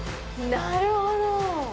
なるほど。